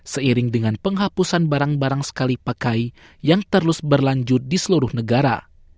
seiring dengan penghapusan barang barang sekali pakai yang terus berlanjut di seluruh negara